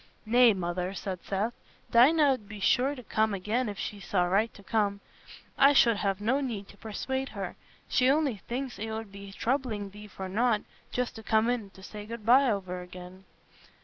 "Nay, Mother," said Seth. "Dinah 'ud be sure to come again if she saw right to come. I should have no need to persuade her. She only thinks it 'ud be troubling thee for nought, just to come in to say good bye over again."